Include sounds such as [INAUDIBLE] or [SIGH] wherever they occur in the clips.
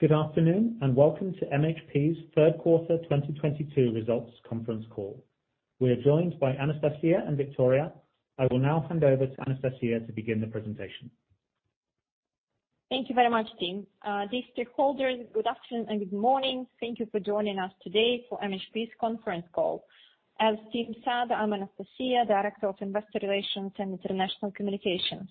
Good afternoon, and welcome to MHP's third quarter 2022 results conference call. We are joined by Anastasiya and Viktoria. I will now hand over to Anastasiya to begin the presentation. Thank you very much, team. Distinguished holders, good afternoon and good morning. Thank you for joining us today for MHP's conference call. As Steve said, I'm Anastasiya, Director of Investor Relations and International Communications.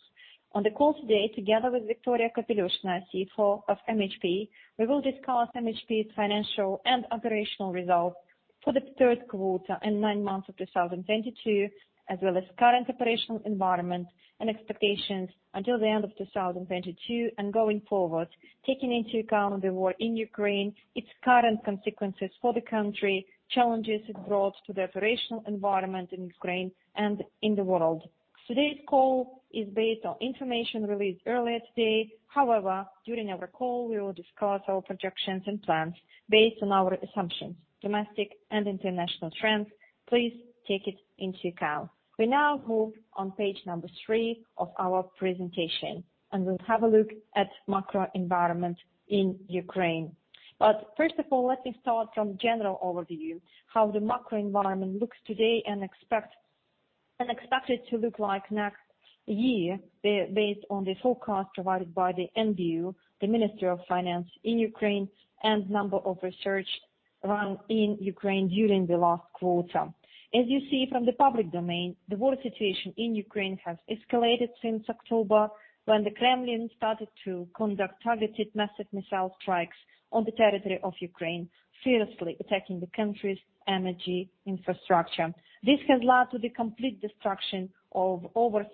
On the call today, together with Viktoria Kapelyushnaya, CFO of MHP, we will discuss MHP's financial and operational results for the third quarter and nine months of 2022, as well as current operational environment and expectations until the end of 2022 and going forward, taking into account the war in Ukraine, its current consequences for the country, challenges it brought to the operational environment in Ukraine and in the world. Today's call is based on information released earlier today. However, during our call, we will discuss our projections and plans based on our assumptions, domestic and international trends. Please take it into account. We now move on page number three of our presentation, and we'll have a look at macro environment in Ukraine. First of all, let me start from general overview, how the macro environment looks today and expected to look like next year based on the forecast provided by the NBU, the Ministry of Finance of Ukraine, and number of research run in Ukraine during the last quarter. As you see from the public domain, the war situation in Ukraine has escalated since October when the Kremlin started to conduct targeted massive missile strikes on the territory of Ukraine, fiercely attacking the country's energy infrastructure. This has led to the complete destruction of over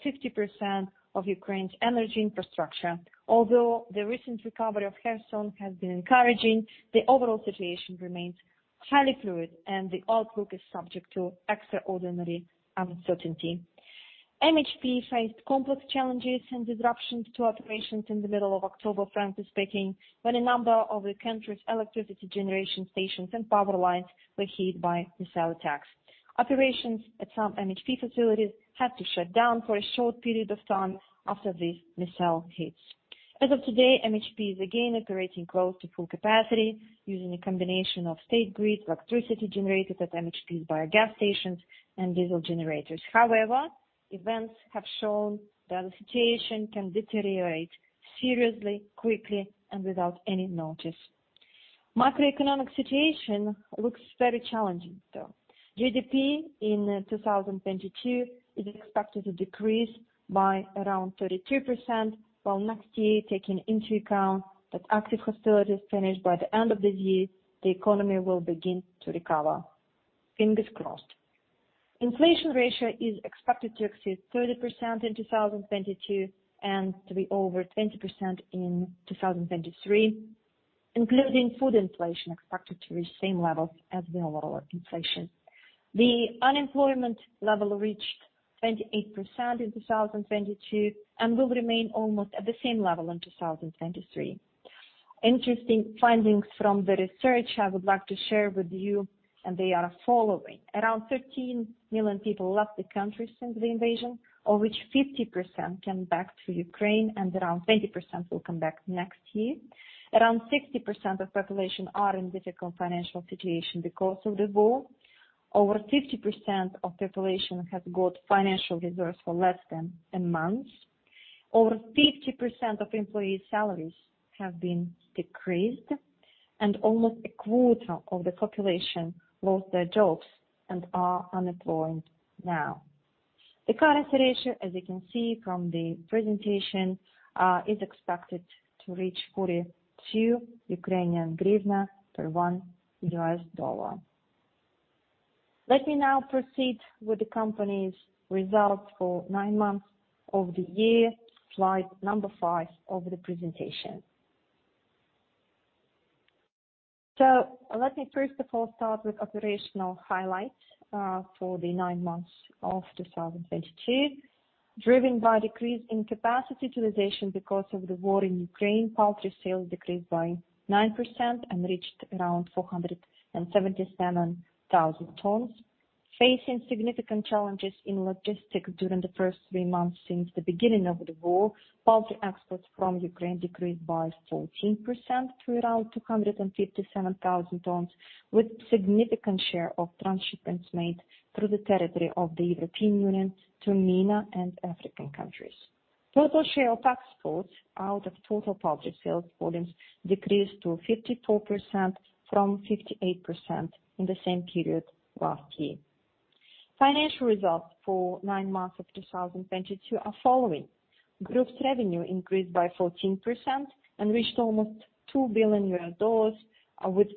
50% of Ukraine's energy infrastructure. Although the recent recovery of Kherson has been encouraging, the overall situation remains highly fluid, and the outlook is subject to extraordinary uncertainty. MHP faced complex challenges and disruptions to operations in the middle of October, frankly speaking, when a number of the country's electricity generation stations and power lines were hit by missile attacks. Operations at some MHP facilities had to shut down for a short period of time after these missile hits. As of today, MHP is again operating close to full capacity using a combination of state grid electricity generated at MHP's biogas stations and diesel generators. However, events have shown that the situation can deteriorate seriously, quickly, and without any notice. Macroeconomic situation looks very challenging, though. GDP in 2022 is expected to decrease by around 32%, while next year, taking into account that active hostility is finished by the end of this year, the economy will begin to recover. Fingers crossed. Inflation ratio is expected to exceed 30% in 2022 and to be over 20% in 2023, including food inflation expected to reach same levels as the overall inflation. The unemployment level reached 28% in 2022 and will remain almost at the same level in 2023. Interesting findings from the research I would like to share with you, and they are following. Around 13 million people left the country since the invasion, of which 50% came back to Ukraine and around 20% will come back next year. Around 60% of population are in difficult financial situation because of the war. Over 50% of population have got financial reserves for less than a month. Over 50% of employees' salaries have been decreased, and almost a quarter of the population lost their jobs and are unemployed now. The current situation, as you can see from the presentation, is expected to reach UAH 42 per $1. Let me now proceed with the company's results for nine months of the year. Slide number five of the presentation. Let me first of all start with operational highlights for the nine months of 2022. Driven by decrease in capacity utilization because of the war in Ukraine, poultry sales decreased by 9% and reached around 477,000 tons. Facing significant challenges in logistics during the first three months since the beginning of the war, poultry exports from Ukraine decreased by 14% to around 257,000 tons, with significant share of transshipments made through the territory of the European Union to MENA and African countries. Total share of exports out of total poultry sales volumes decreased to 54% from 58% in the same period last year. Financial results for nine months of 2022 are following. Group's revenue increased by 14% and reached almost $2 billion, with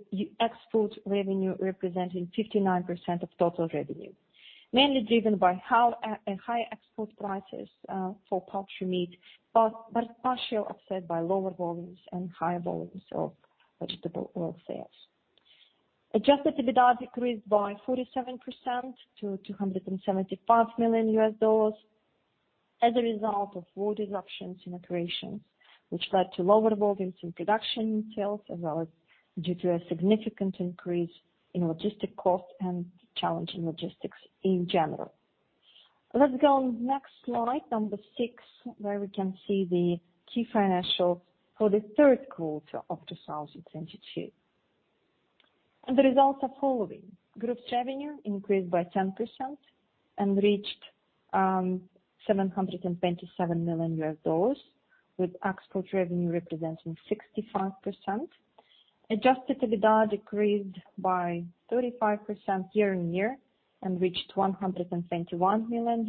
exports revenue representing 59% of total revenue. Mainly driven by higher export prices for poultry meat, but partially offset by lower volumes and higher volumes of vegetable oil sales. Adjusted EBITDA decreased by 47% to $275 million as a result of war disruptions in operations, which led to lower volumes in production sales as well as due to a significant increase in logistics costs and challenging logistics in general. Let's go on next slide number six, where we can see the key financials for the third quarter of 2022. The results as follows. Group's revenue increased by 10% and reached $727 million, with export revenue representing 65%. Adjusted EBITDA decreased by 35% year-on-year and reached $121 million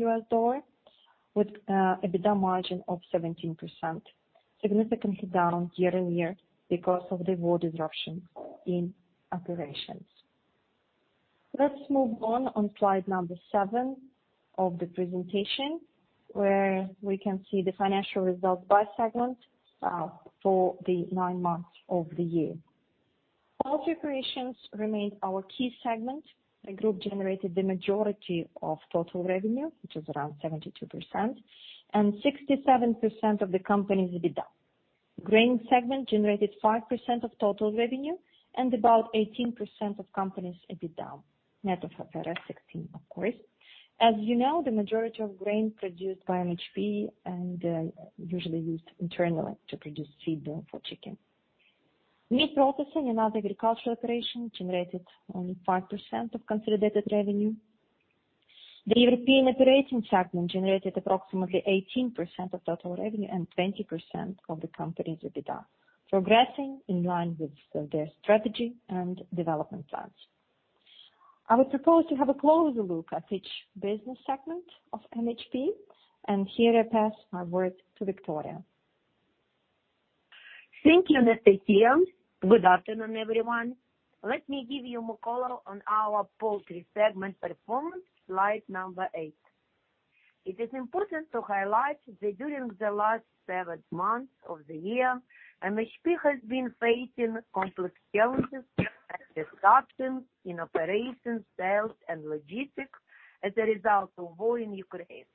with EBITDA margin of 17%, significantly down year-on-year because of the war disruption in operations. Let's move on slide number seven of the presentation, where we can see the financial results by segment, for the nine months of the year. Poultry operations remained our key segment. The group generated the majority of total revenue, which is around 72% and 67% of the company's EBITDA. Grain segment generated 5% of total revenue and about 18% of company's EBITDA. Net of sixteen, of course. As you know, the majority of grain produced by MHP and usually used internally to produce feed for chicken. Meat processing and other agricultural operations generated only 5% of consolidated revenue. The European operating segment generated approximately 18% of total revenue and 20% of the company's EBITDA, progressing in line with their strategy and development plans. I would propose to have a closer look at each business segment of MHP, and here I pass my word to Viktoria. Thank you, Anastasiya. Good afternoon, everyone. Let me give you more color on our poultry segment performance, slide number eight. It is important to highlight that during the last seven months of the year, MHP has been facing complex challenges and disruptions in operations, sales, and logistics as a result of war in Ukraine.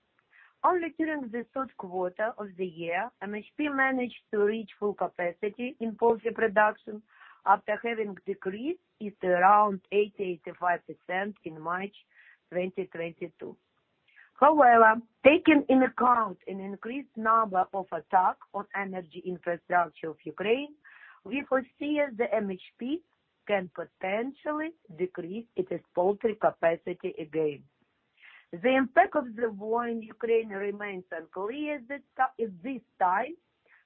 Only during the third quarter of the year, MHP managed to reach full capacity in poultry production after having decreased it around 80%-85% in March 2022. However, taking into account an increased number of attacks on energy infrastructure of Ukraine, we foresee that MHP can potentially decrease its poultry capacity again. The impact of the war in Ukraine remains unclear at this time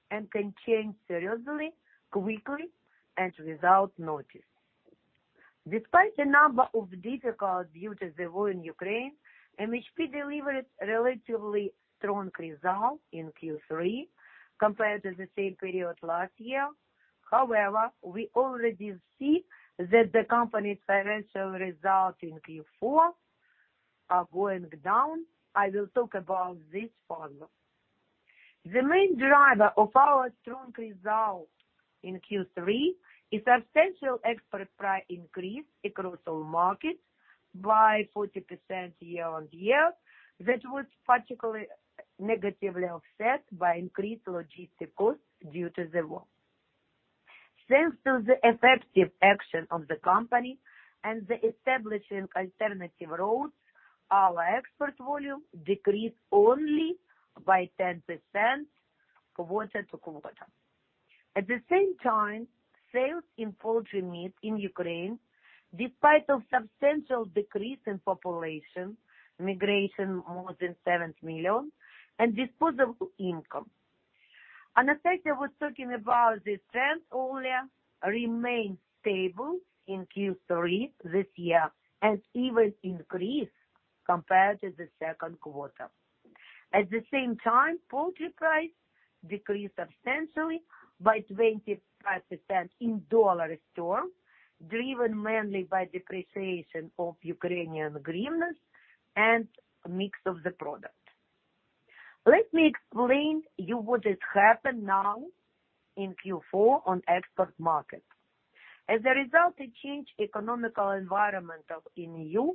and can change seriously, quickly, and without notice. Despite the number of difficulties due to the war in Ukraine, MHP delivered a relatively strong result in Q3 compared to the same period last year. However, we already see that the company's financial results in Q4 are going down. I will talk about this further. The main driver of our strong result in Q3 is substantial export price increase across all markets by 40% year-on-year. That was particularly negatively offset by increased logistics costs due to the war. Thanks to the effective action of the company and the establishing alternative routes, our export volume decreased only by 10% quarter-to-quarter. At the same time, sales in poultry meat in Ukraine, despite substantial decrease in population, migration more than 7 million and disposable income, Anastasiya was talking about the trend earlier, remains stable in Q3 this year and even increased compared to the second quarter. At the same time, poultry price decreased substantially by 25% in dollar terms, driven mainly by depreciation of Ukrainian hryvnia and mix of the product. Let me explain to you what has happened now in Q4 on export market. As a result of a change in economic environment in EU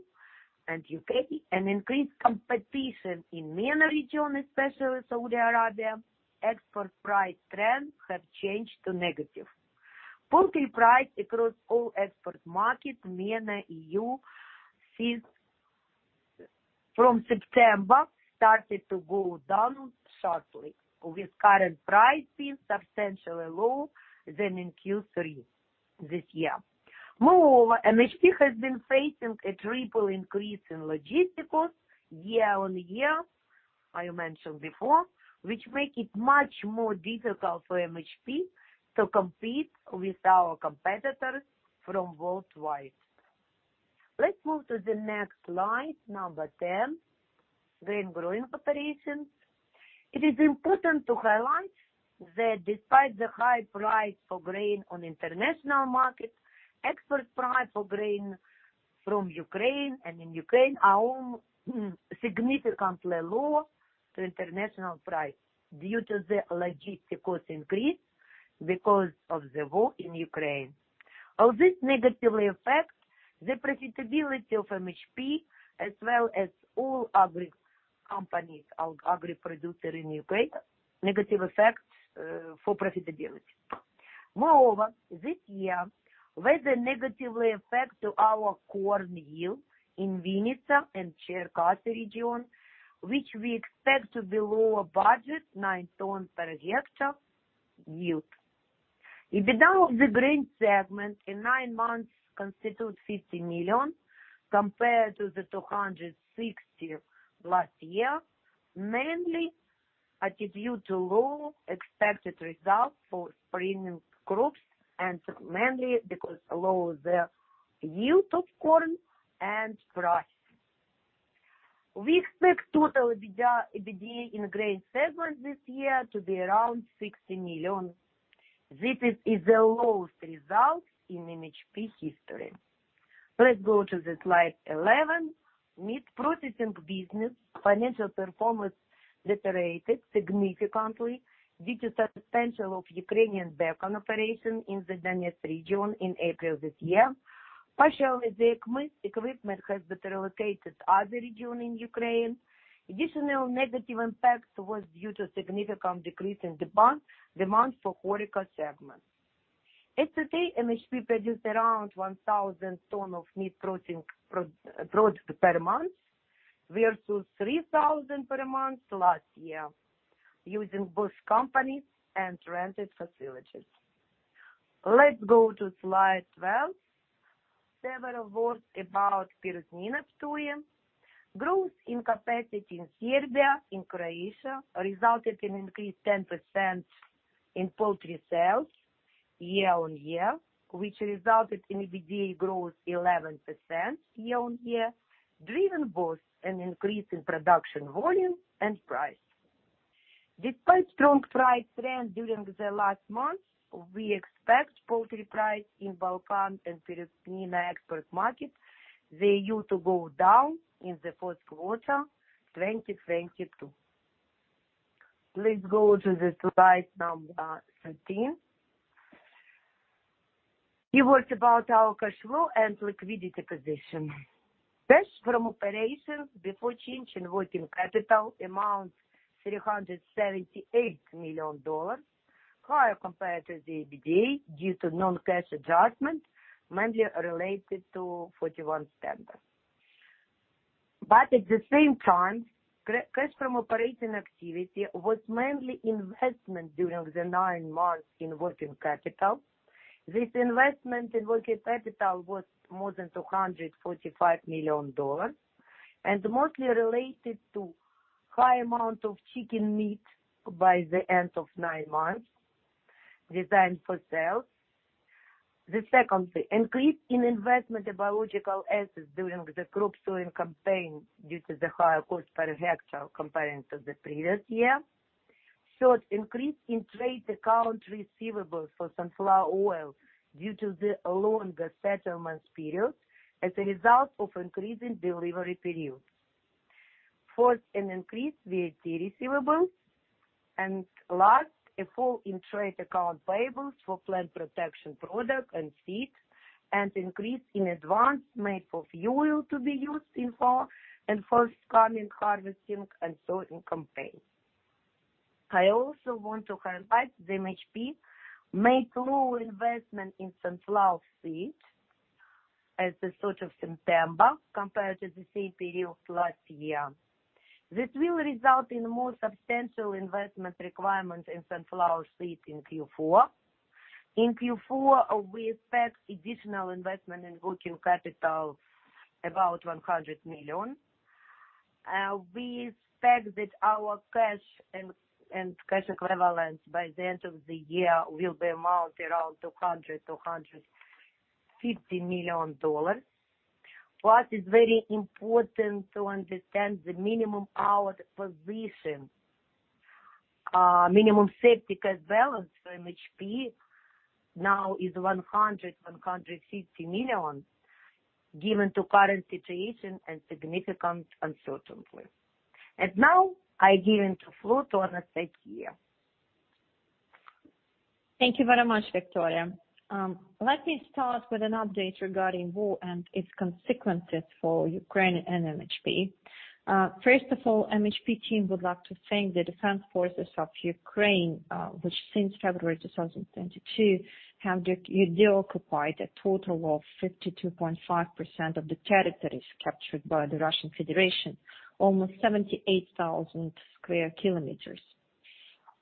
and U.K. and increased competition in MENA region, especially Saudi Arabia, export price trend have changed to negative. Poultry price across all export markets, MENA, EU, from September started to go down sharply, with current price being substantially lower than in Q3 this year. Moreover, MHP has been facing a triple increase in logistics costs year-on-year, I mentioned before, which make it much more difficult for MHP to compete with our competitors from worldwide. Let's move to the next slide, number 10, grain growing operations. It is important to highlight that despite the high price for grain on international market, export price for grain from Ukraine and in Ukraine are significantly lower to international price due to the logistic cost increase because of the war in Ukraine. All this negatively affects the profitability of MHP as well as all agri companies or agri producer in Ukraine. Negative effect for profitability. Moreover, this year weather negatively affect to our corn yield in Vinnytsia and Cherkasy region, which we expect to be lower than budgeted 9 tons per hectare yield. EBITDA of the grain segment in nine months constitute $50 million compared to the $260 million last year, mainly attributed to low expected results for spring crops, and mainly because lower the yield of corn and price. We expect total EBITDA in grain segment this year to be around $60 million. This is the lowest result in MHP history. Let's go to slide 11. Meat processing business financial performance deteriorated significantly due to suspension of Ukrainian Bacon operation in the Donetsk region in April this year. Partially the equipment has been relocated to other region in Ukraine. Additional negative impact was due to significant decrease in demand for HoReCa segment. As today, MHP produced around 1,000 tons of meat protein product per month versus 3,000 per month last year, using both companies and rented facilities. Let's go to slide 12. Several words about Perutnina Ptuj. Growth in capacity in Serbia, in Croatia, resulted in increased 10% in poultry sales year-on-year, which resulted in EBITDA growth 11% year-on-year, driven both an increase in production volume and price. Despite strong price trend during the last month, we expect poultry price in Balkans and Perutnina Ptuj export market, the yield to go down in the fourth quarter 2022. Please go to the slide number 13. Few words about our cash flow and liquidity position. Cash from operation before change in working capital amount $378 million, higher compared to the EBITDA due to non-cash adjustment mainly related to. [AUDIO DISTORTION] At the same time, cash from operating activity was mainly investment during the nine months in working capital. This investment in working capital was more than $245 million, and mostly related to high amount of chicken meat by the end of nine months designed for sale. Secondly, increase in investment in biological assets during the crop sowing campaign due to the higher cost per hectare compared to the previous year. Third, increase in trade account receivables for sunflower oil due to the longer settlements period as a result of increasing delivery period. Fourth, an increased VAT receivables. Last, a fall in trade account payables for plant protection product and seed, and increase in advance made for fuel to be used in forthcoming harvesting and sowing campaign. I also want to highlight that MHP made low investment in sunflower seed as of September compared to the same period last year. This will result in more substantial investment requirements in sunflower seed in Q4. In Q4, we expect additional investment in working capital about $100 million. We expect that our cash and cash equivalents by the end of the year will be amount around $200 million-$150 million. What is very important to understand the minimum our position, minimum safety cash balance for MHP now is $100 million-$150 million, given the current situation and significant uncertainty. I give the floor to Anastasiya Sobotyuk. Thank you very much, Viktoria. Let me start with an update regarding war and its consequences for Ukraine and MHP. First of all, MHP team would like to thank the defense forces of Ukraine, which since February 2022 have deoccupied a total of 52.5% of the territories captured by the Russian Federation, almost 78,000 square km.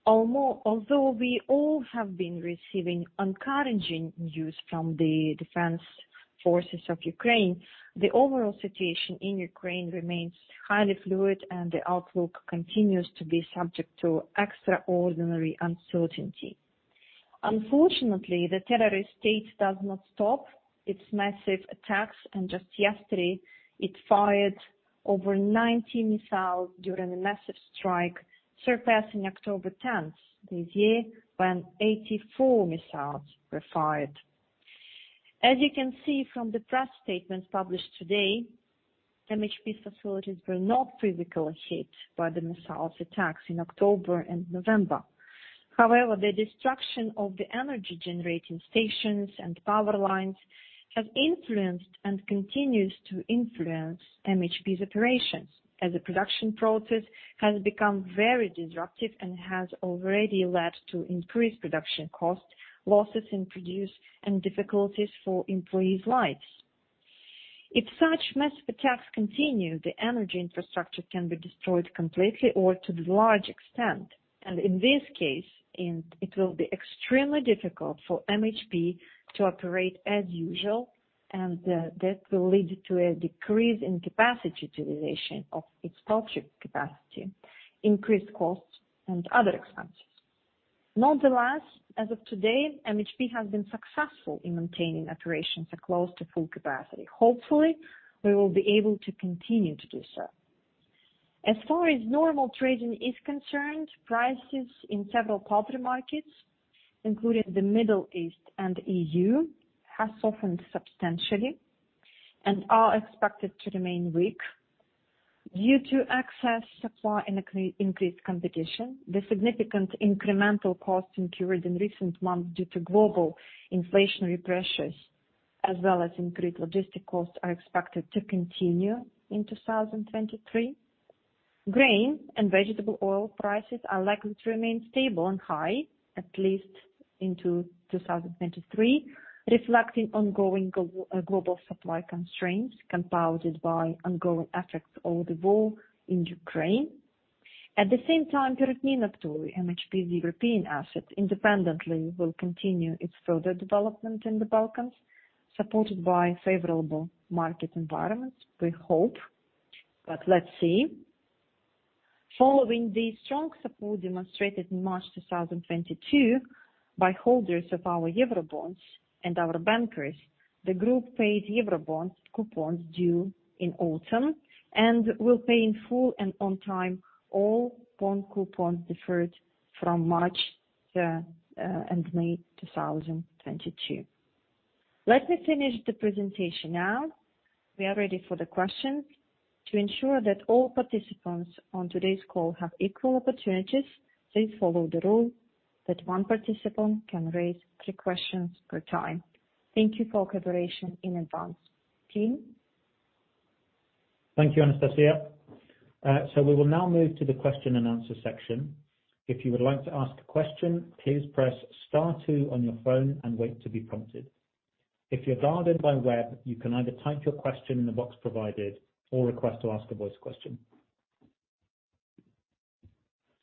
Although we all have been receiving encouraging news from the defense forces of Ukraine, the overall situation in Ukraine remains highly fluid, and the outlook continues to be subject to extraordinary uncertainty. Unfortunately, the terrorist state does not stop its massive attacks, and just yesterday it fired over 90 missiles during a massive strike, surpassing October 10 this year, when 84 missiles were fired. As you can see from the press statements published today, MHP facilities were not physically hit by the missile's attacks in October and November. However, the destruction of the energy generating stations and power lines has influenced and continues to influence MHP's operations, as the production process has become very disruptive and has already led to increased production costs, losses in produce and difficulties for employees' lives. If such massive attacks continue, the energy infrastructure can be destroyed completely or to the large extent, and in this case, and it will be extremely difficult for MHP to operate as usual, and, that will lead to a decrease in capacity utilization of its poultry capacity, increased costs and other expenses. Nonetheless, as of today, MHP has been successful in maintaining operations at close to full capacity. Hopefully, we will be able to continue to do so. As far as normal trading is concerned, prices in several poultry markets, including the Middle East and EU, have softened substantially and are expected to remain weak due to excess supply and increased competition. The significant incremental costs incurred in recent months due to global inflationary pressures as well as increased logistics costs are expected to continue in 2023. Grain and vegetable oil prices are likely to remain stable and high, at least into 2023, reflecting ongoing global supply constraints compounded by ongoing effects of the war in Ukraine. At the same time, Perutnina Ptuj, MHP's European assets, independently will continue its further development in the Balkans, supported by favorable market environments, we hope. Let's see. Following the strong support demonstrated in March 2022 by holders of our Eurobonds and our bankers, the group paid Eurobonds coupons due in autumn and will pay in full and on time all bond coupons deferred from March and May 2022. Let me finish the presentation now. We are ready for the questions. To ensure that all participants on today's call have equal opportunities, please follow the rule that one participant can raise three questions per time. Thank you for cooperation in advance. Team. Thank you, Anastasiya. We will now move to the question-and-answer section. If you would like to ask a question, please press star two on your phone and wait to be prompted. If you're dialed in by web, you can either type your question in the box provided or request to ask a voice question.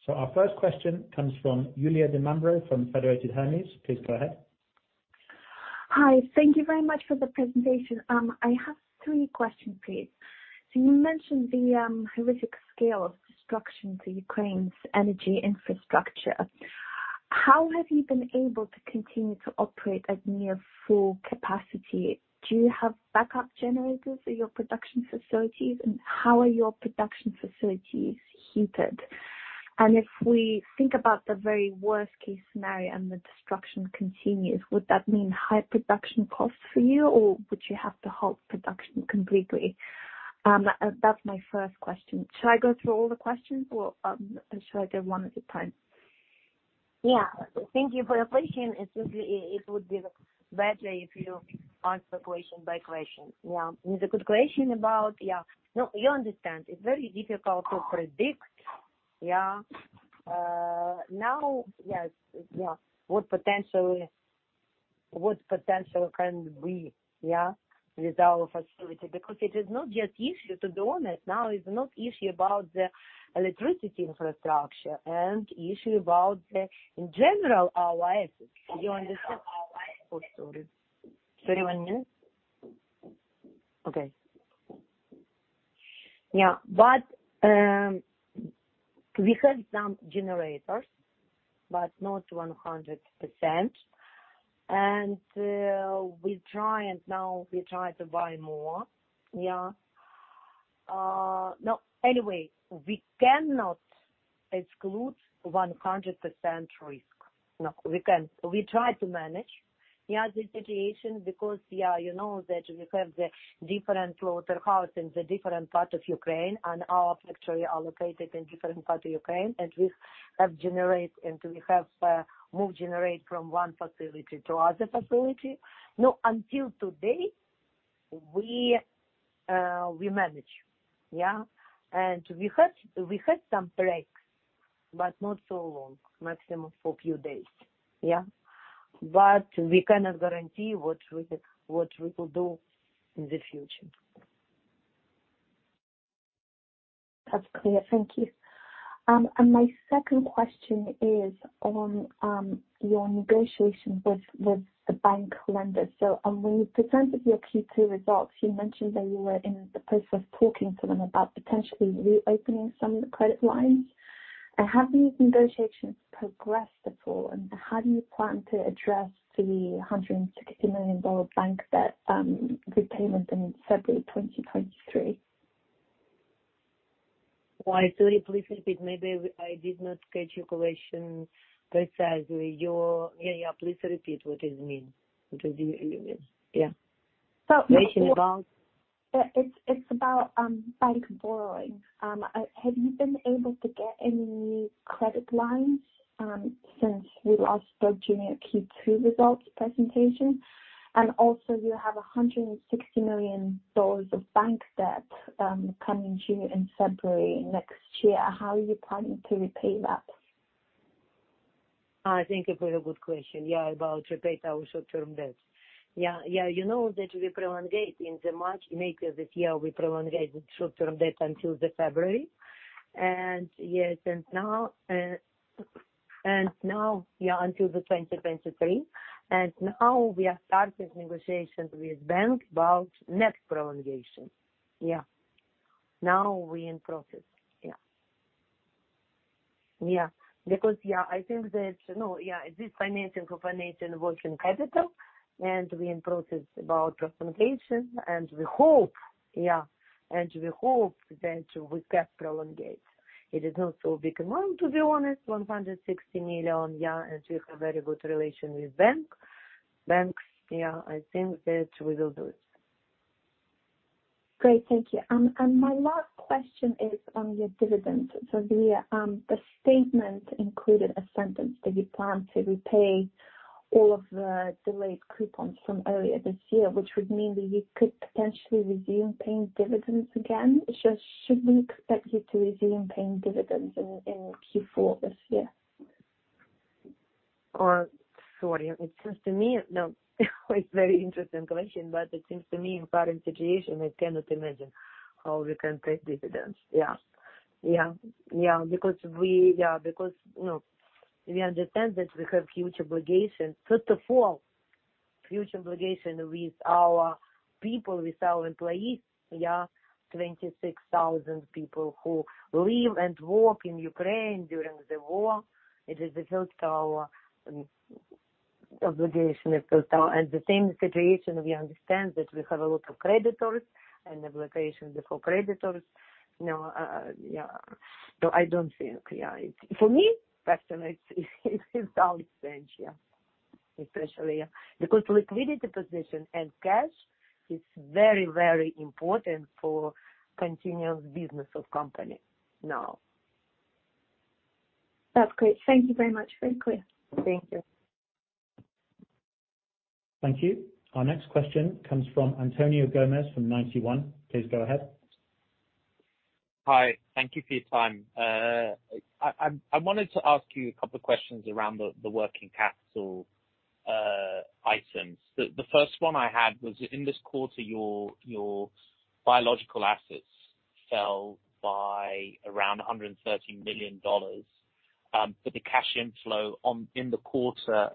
Our first question comes from Yulia di Mambro from Federated Hermes. Please go ahead. Hi. Thank you very much for the presentation. I have three questions, please. You mentioned the horrific scale of destruction to Ukraine's energy infrastructure. How have you been able to continue to operate at near full capacity? Do you have backup generators for your production facilities? And how are your production facilities heated? And if we think about the very worst-case scenario and the destruction continues, would that mean high production costs for you, or would you have to halt production completely? That's my first question. Should I go through all the questions or should I go one at a time? Thank you for your question. It would be better if you ask the question by question. It's a good question. You understand. It's very difficult to predict. What potential can be with our facility because it is not just issue. To be honest, now it's not issue about the electricity infrastructure and issue about the, in general, our assets. You understand? Sorry. One minute. Okay. We have some generators, but not 100%. We try to buy more. Anyway, we cannot exclude 100% risk. No, we can't. We try to manage the situation because you know that we have the different slaughterhouse in the different part of Ukraine, and our factory are located in different part of Ukraine, and we have generators, and we move generators from one facility to other facility. Until today, we manage. We had some breaks, but not so long. Maximum for few days. We cannot guarantee what we could do in the future. That's clear. Thank you. My second question is on your negotiation with the bank lenders. When you presented your Q2 results, you mentioned that you were in the process of talking to them about potentially reopening some of the credit lines. Have these negotiations progressed at all? And how do you plan to address the $160 million bank debt repayment in February 2023? Sorry, please repeat. Maybe I did not catch your question precisely. Please repeat what it means. What do you mean? Yeah, question about? It's about bank borrowing. Have you been able to get any credit lines since we last spoke during your Q2 results presentation? You have $160 million of bank debt coming due in February next year. How are you planning to repay that? I think it was a good question. Yeah. About repaying our short-term debts. Yeah. You know that we prolonged in March, May this year, we prolonged the short-term debt until February until 2023. Now we are starting negotiations with bank about next prolongation. Now we are in process. Because I think that, you know, this financing is for working capital, and we are in process about prolongation, and we hope that we can prolong. It is not so big amount, to be honest, $160 million, yeah, and we have very good relations with banks. Yeah, I think that we will do it. Great. Thank you. My last question is on your dividend. The statement included a sentence that you plan to repay all of the delayed coupons from earlier this year, which would mean that you could potentially resume paying dividends again. Should we expect you to resume paying dividends in Q4 this year? Sorry. It's very interesting question, but it seems to me in current situation, I cannot imagine how we can pay dividends. Yeah, because, you know, we understand that we have huge obligation. First of all, huge obligation with our people, with our employees. Yeah. 26,000 people who live and work in Ukraine during the war. It is the first our obligation. The same situation, we understand that we have a lot of creditors, and obligation before creditors. You know, yeah. I don't think, yeah. For me personally, it's nonsense, yeah. Especially, because liquidity position and cash is very, very important for continuous business of company now. That's great. Thank you very much. Very clear. Thank you. Thank you. Our next question comes from Antonio Luiz Gomes from Ninety One. Please go ahead. Hi. Thank you for your time. I wanted to ask you a couple questions around the working capital items. The first one I had was in this quarter, your biological assets fell by around $130 million, but the cash inflow in the quarter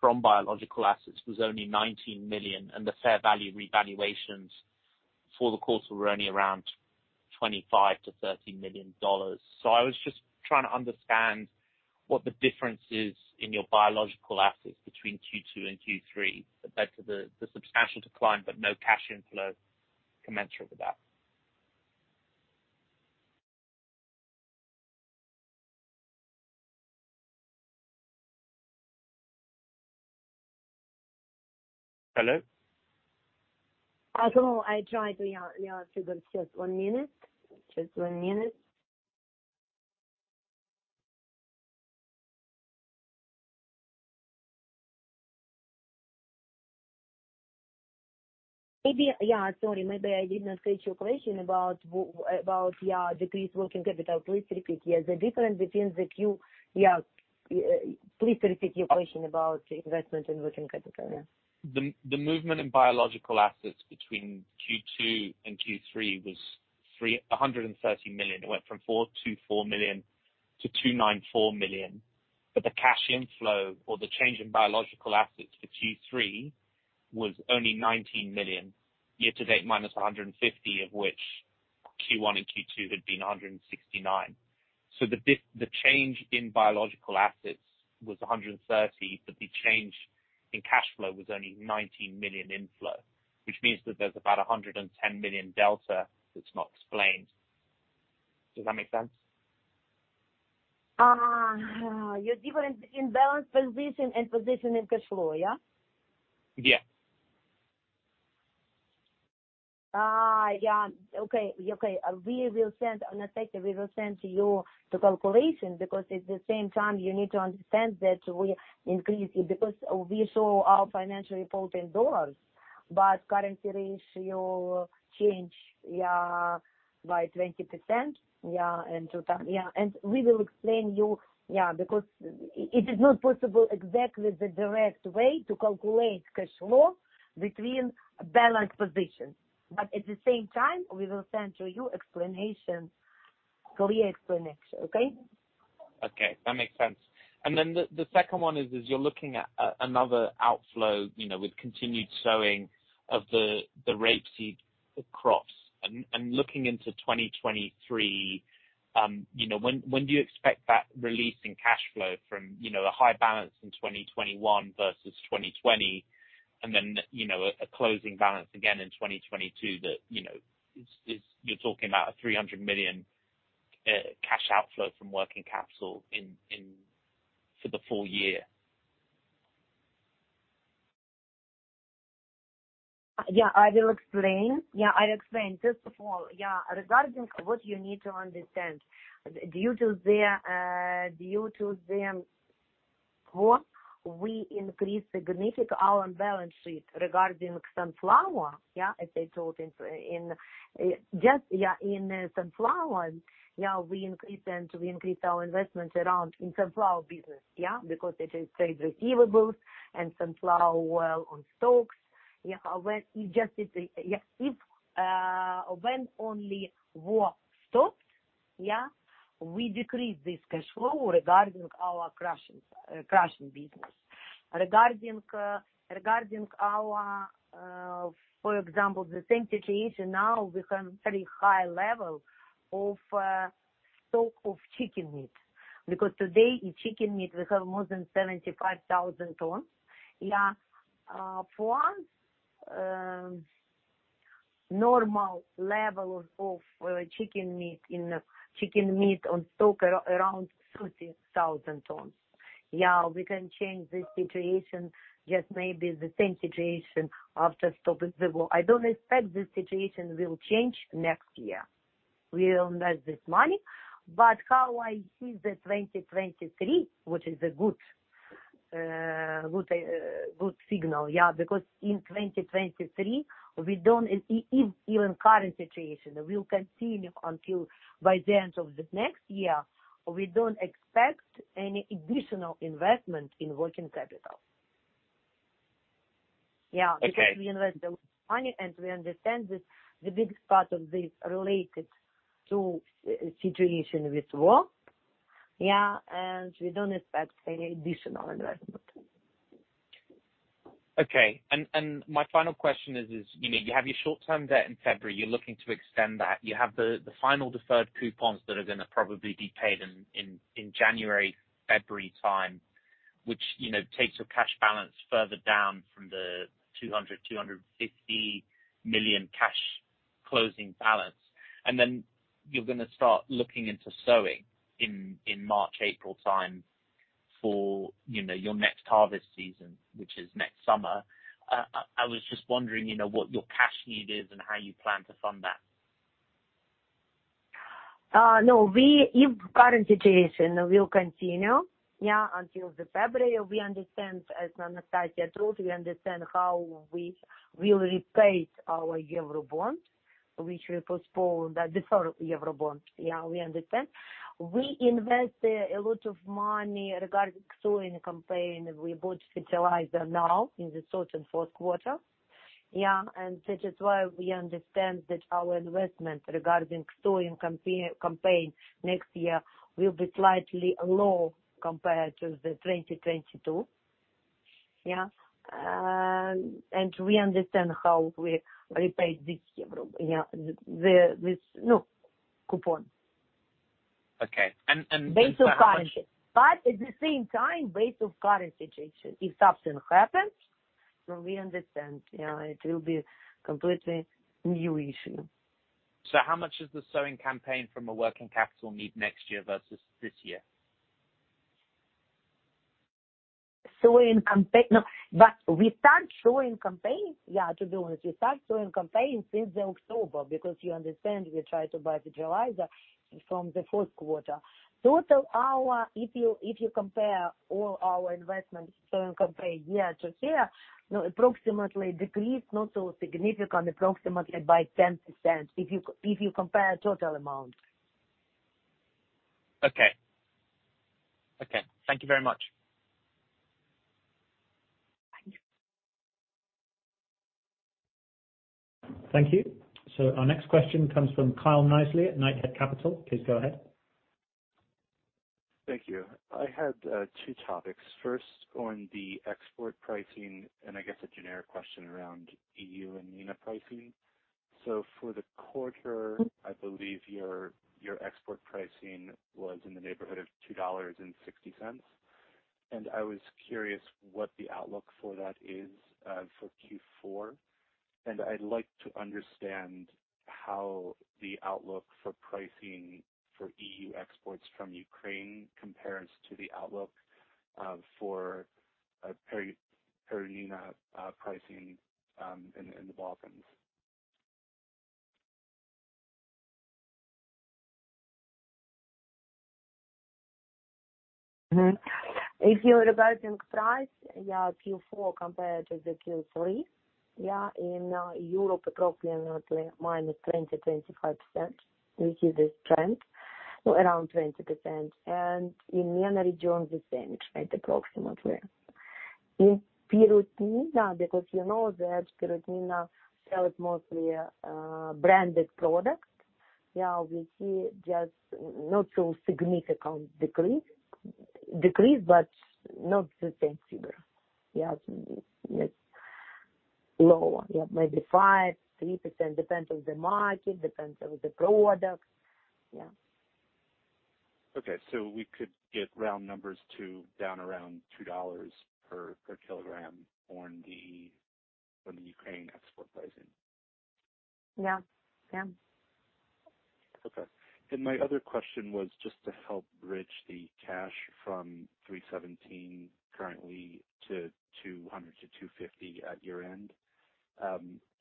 from biological assets was only $19 million, and the fair value revaluations for the quarter were only around $25 million-$30 million. I was just trying to understand what the difference is in your biological assets between Q2 and Q3 that led to the substantial decline, but no cash inflow commensurate with that. Hello? I don't know. I tried. Just one minute. Sorry. Maybe I did not catch your question about decreased working capital. Please repeat. Please repeat your question about investment in working capital. The movement in biological assets between Q2 and Q3 was $130 million. It went from $424 million to $294 million. The cash inflow or the change in biological assets for Q3 was only $19 million, year to date, minus $150 million, of which Q1 and Q2 had been $169 million. The change in biological assets was $130 million, but the change in cash flow was only $19 million inflow, which means that there's about $110 million delta that's not explained. Does that make sense? The difference in balance position and position in cash flow, yeah? Yeah. In effect, we will send to you the calculation because at the same time you need to understand that we increase it because we show our financial report in dollars, but currency ratio change by 20%, and total. We will explain to you because it is not possible exactly the direct way to calculate cash flow between balance positions. At the same time, we will send to you explanation, clear explanation. Okay, that makes sense. The second one is you're looking at another outflow, you know, with continued sowing of the rapeseed crops. Looking into 2023, you know, when do you expect that release in cash flow from, you know, a high balance in 2021 versus 2020, and then, you know, a closing balance again in 2022 that, you know, is. You're talking about a $300 million cash outflow from working capital for the full year. I'll explain. First of all, regarding what you need to understand, due to the war. We significantly increased our balance sheet regarding sunflower. As I told in sunflower, we increased our investment in sunflower business. Because it is trade receivables and sunflower in stocks. When the war stops, we decrease this cash flow regarding our crushing business. Regarding, for example, the same situation now we have very high level of stock of chicken meat because today in chicken meat we have more than 75,000 tons. For us, normal level of chicken meat on stock around 30,000 tons. Yeah, we can change this situation, just maybe the same situation after stopping the war. I don't expect this situation will change next year. We will invest this money, but how I see 2023, which is a good signal, yeah. Because in 2023 we don't, if even current situation will continue until by the end of the next year, we don't expect any additional investment in working capital. Yeah. Okay. Because we invest a lot of money, and we understand that the biggest part of this related to situation with war, yeah, and we don't expect any additional investment. Okay. My final question is, you know, you have your short term debt in February, you're looking to extend that. You have the final deferred coupons that are gonna probably be paid in January, February time, which, you know, takes your cash balance further down from the $250 million cash closing balance. You're gonna start looking into sowing in March, April time for, you know, your next harvest season, which is next summer. I was just wondering, you know, what your cash need is and how you plan to fund that. No. If current situation will continue until February, we understand, as Anastasiya told, we understand how we will repay our Eurobond, which we postpone, the deferred Eurobond. We understand. We invest a lot of money regarding sowing campaign. We bought fertilizer now in the third and fourth quarter, and that is why we understand that our investment regarding sowing campaign next year will be slightly low compared to 2022. We understand how we repay this Euro coupon. Okay. Just the last question. Based on current situation. At the same time, based on current situation, if something happens, we understand, yeah, it will be completely new issue. How much is the sowing campaign from a working capital need next year versus this year? No, we start sowing campaign, yeah, to be honest, we start sowing campaign since October because you understand we try to buy fertilizer from the fourth quarter. Total, our if you compare all our investments sowing campaign year-over-year, approximately decreased, not so significant, approximately by 10%, if you compare total amount. Okay. Okay. Thank you very much. Thank you. Our next question comes from Kyle Kneisly at Knighthead Capital. Please go ahead. Thank you. I had two topics. First, on the export pricing, I guess a generic question around EU and MENA pricing. For the quarter, I believe your export pricing was in the neighborhood of $2.60. I was curious what the outlook for that is for Q4. I'd like to understand how the outlook for pricing for EU exports from Ukraine compares to the outlook for Perutnina Ptuj pricing in the Balkans. If you're regarding price, yeah, Q4 compared to the Q3, yeah. In Europe, approximately minus 20-25%, which is the trend. Around 20%. In MENA region, the same trend, approximately. In Perutnina, because you know that Perutnina sells mostly branded product. Yeah, we see just not so significant decrease, but not the same figure. Yeah. It's lower. Yeah, maybe 3%-5%, depends on the market, depends on the product. Yeah. Okay. We could get round numbers down around $2 per kg from the Ukraine export pricing. Yeah. Yeah. Okay. My other question was just to help bridge the cash from $317 million currently to $200 million-$250 million at year-end.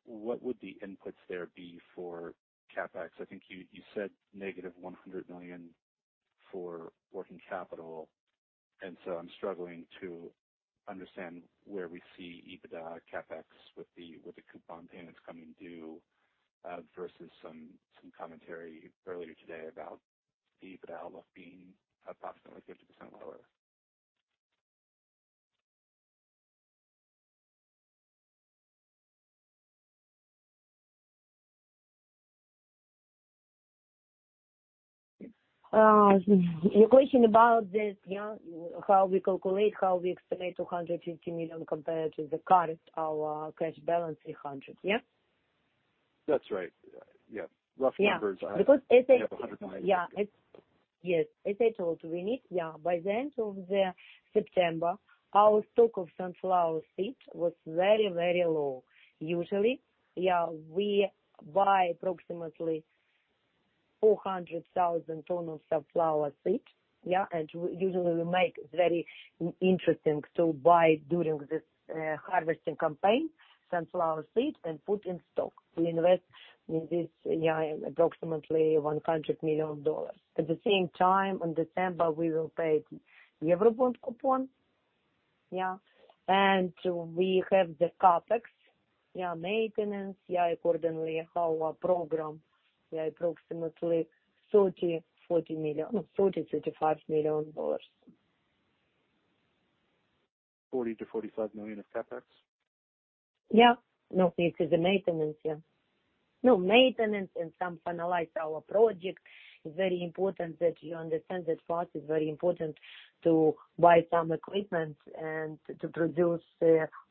What would the inputs there be for CapEx? I think you said negative $100 million for working capital, and I'm struggling to understand where we see EBITDA CapEx with the coupon payments coming due versus some commentary earlier today about the EBITDA almost being approximately 50% lower. Your question about this, how we calculate, how we explain $250 million compared to the current, our cash balance, $300 million? That's right. Yeah. Rough numbers. Yeah. Because You have $100 million. As I told we need by the end of September, our stock of sunflower seeds was very, very low. Usually we buy approximately 400,000 tons of sunflower seeds, and usually we make very interesting to buy during this harvesting campaign, sunflower seeds and put in stock. We invest in this approximately $100 million. At the same time, in December, we will pay Eurobond coupon. We have the CapEx maintenance according to our program approximately $40 million-$45 million. $40 million-$45 million of CapEx? Yeah. No, this is maintenance, yeah. No, maintenance and some finalize our project. It's very important that you understand that for us it's very important to buy some equipment and to produce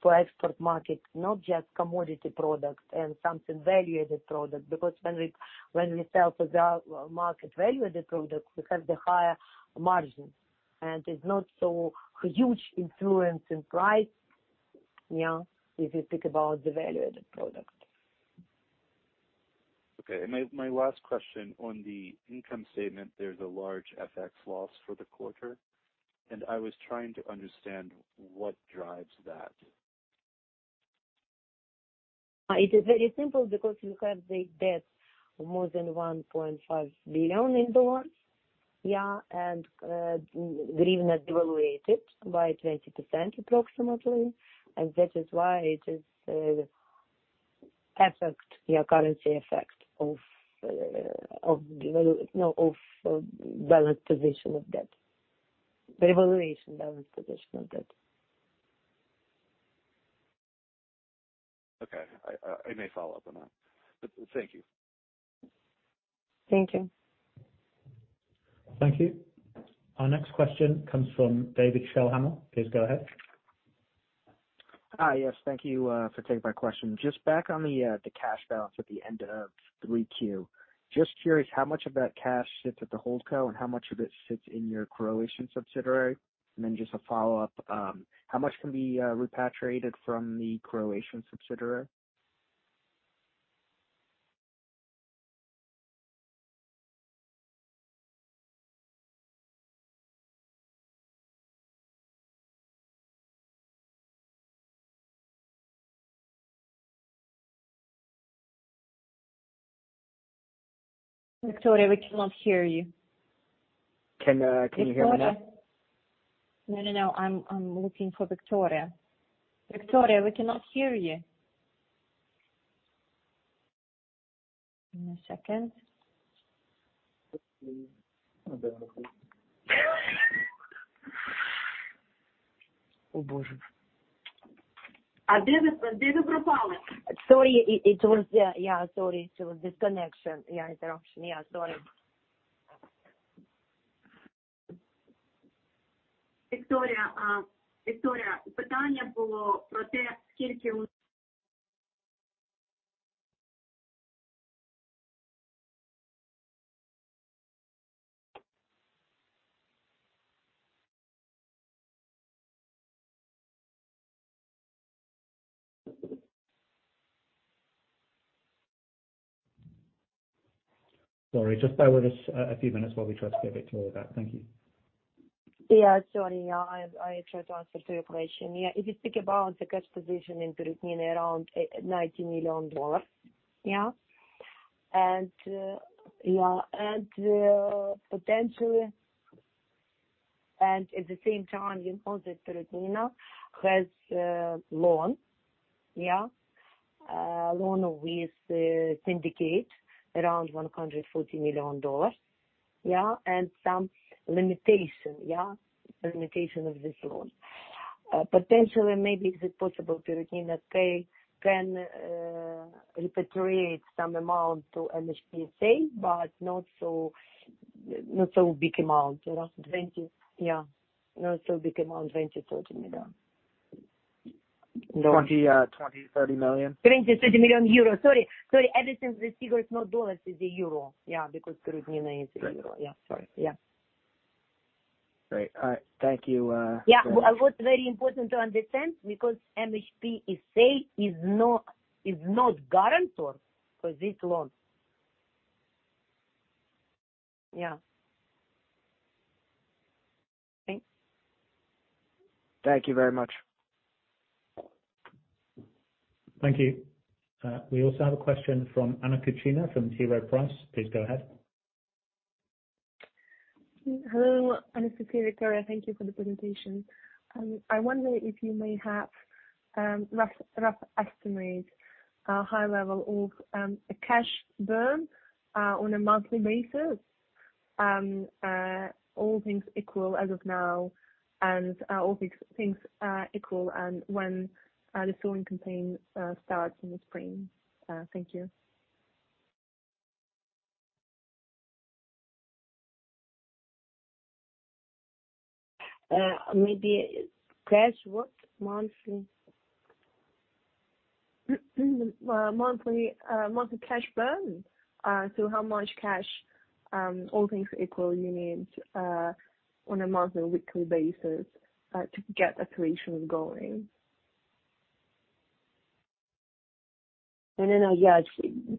for export market, not just commodity product, but some value-added product. Because when we sell to the market value-added product, we have the higher margin, and it's not so huge influence in price, yeah, if you think about the value-added product. Okay. My last question on the income statement, there's a large FX loss for the quarter. I was trying to understand what drives that. It is very simple because you have the debt more than $1.5 billion, and the hryvnia devalued by 20% approximately, and that is why it is effect, currency effect of balance position of debt. Devaluation balance position of debt. Okay. I may follow up on that. Thank you. Thank you. Thank you. Our next question comes from [David Shellhammer]. Please go ahead. Hi. Yes, thank you for taking my question. Just back on the cash balance at the end of 3Q. Just curious how much of that cash sits at the holdco and how much of it sits in your Croatian subsidiary? Just a follow-up, how much can be repatriated from the Croatian subsidiary? Viktoria, we cannot hear you. Can you hear me now? Viktoria. No, I'm looking for Viktoria. Viktoria, we cannot hear you. Give me a second. Sorry. It was disconnection. Yeah. Interruption. Yeah. Sorry. Sorry. Just bear with us a few minutes while we try to get Viktoria back. Thank you. Sorry. I try to answer to your question. If you think about the cash position in Perutnina Ptuj, around $90 million. At the same time, you know that Perutnina Ptuj has a loan with a syndicate, around $140 million, and some limitation of this loan. Potentially maybe is it possible Perutnina Ptuj can repatriate some amount to MHP SE but not so big amount. Around twenty. Not so big amount. $20 million-$30 million. Not 20 million-30 million? 20 million-30 million euros. Sorry. In essence, the figure is not dollars, it's euro. Yeah, because Perutnina Ptuj is euro. Great. Yeah. Sorry. Yeah. Great. All right. Thank you. Yeah. What's very important to understand because MHP SE is not guarantor for this loan. Yeah. Thanks. Thank you very much. Thank you. We also have a question from Anna Kuchina from T. Rowe Price. Please go ahead. Hello. Anna Kuchina, Viktoria. Thank you for the presentation. I wonder if you may have a rough estimate, high level of a cash burn on a monthly basis, all things equal as of now, and all things equal when the sowing campaign starts in the spring. Thank you. Maybe cash, what? Monthly. Well, monthly cash burn. How much cash, all things equal you need, on a monthly and weekly basis, to get operations going? No, no, yeah.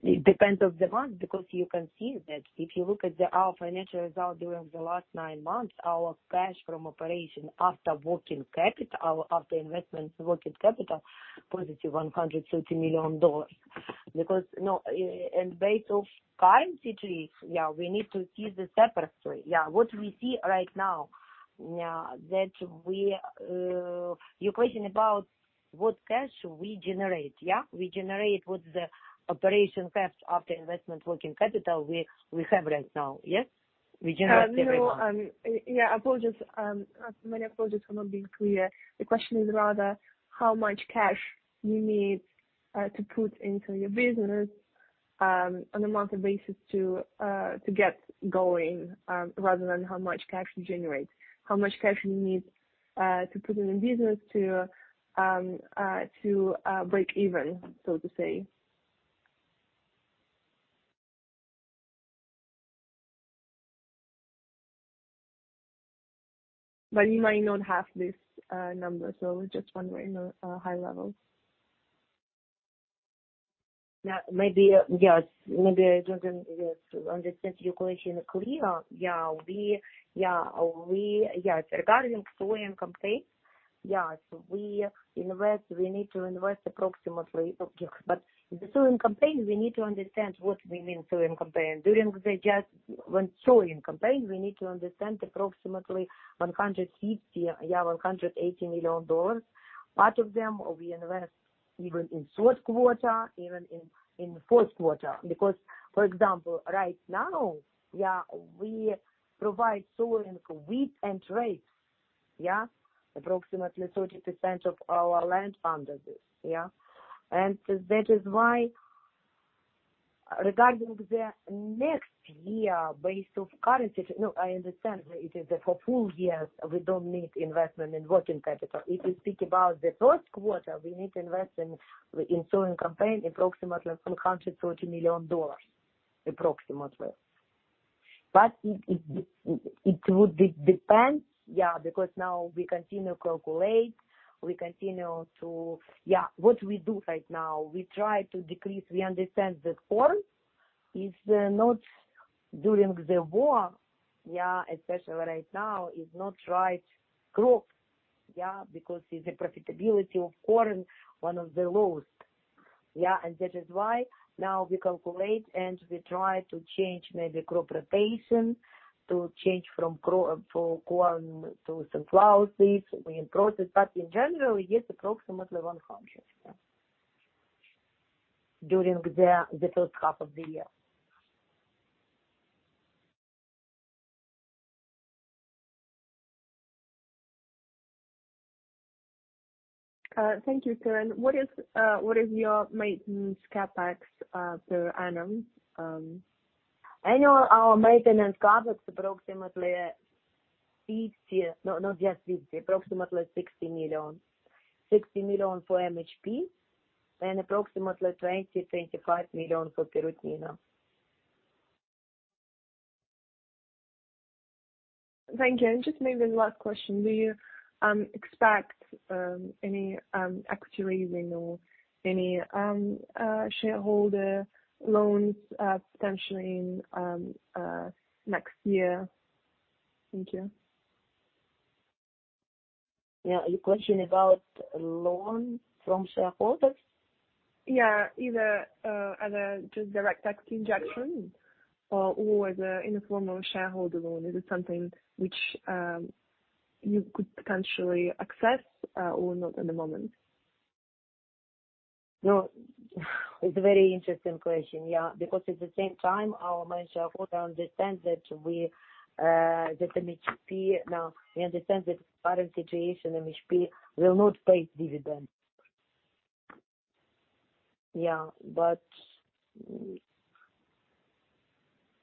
It depends on the month because you can see that if you look at our financial result during the last nine months, our cash from operations after working capital, after investment working capital, positive $130 million. Because, you know, and based on current situation, yeah, we need to see the separate story. Yeah. What we see right now, yeah, that we. Your question about what cash we generate, yeah? We generate the operating cash after investment working capital we have right now. Yes? We generate. No. Yeah, apologies, many apologies for not being clear. The question is rather how much cash you need to put into your business on a monthly basis to get going, rather than how much cash you generate. How much cash you need to put in the business to break even, so to say. You might not have this number, so just wondering, high level. Maybe I don't understand your question clear. Regarding sowing campaign, yes. We need to invest approximately. But the sowing campaign, we need to understand what we mean sowing campaign. When sowing campaign, we need to understand approximately $150 million-$180 million. Part of them will be invest even in first quarter, even in fourth quarter. Because, for example, right now, we provide sowing for wheat and rice. Approximately 30% of our land under this. That is why regarding the next year based on current situation. No, I understand it is for full year, we don't need investment in working capital. If you speak about the first quarter, we need to invest in sowing campaign approximately $130 million, approximately. It would depend, yeah, because now we continue to calculate. Yeah. What we do right now, we try to decrease. We understand that corn is not during the war, yeah, especially right now, is not right crop, yeah, because the profitability of corn, one of the lowest. Yeah. That is why now we calculate, and we try to change maybe crop rotation to change from corn to sunflower seeds. We in process. In general, yes, approximately 100. Yeah. During the first half of the year. Thank you. What is your maintenance CapEx per annum? Annually, our maintenance CapEx approximately $60 million. $60 million for MHP and approximately $20 million-$25 million for Perutnina Ptuj. Thank you. Just maybe the last question. Do you expect any equity raising or any shareholder loans potentially in next year? Thank you. Yeah. Your question about loan from shareholders? Yeah. Either as a just direct equity injection or in the form of shareholder loan. Is it something which you could potentially access, or not at the moment? No. It's a very interesting question, yeah, because at the same time our main shareholder understand that we, that MHP. Now, we understand that current situation, MHP will not pay dividend. Yeah.